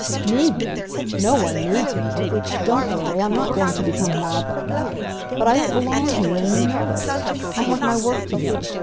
"Need me! No one needs me. Don't worry; I'm not going to become maudlin about it. But I don't belong here, and you know, it. I have my work to do.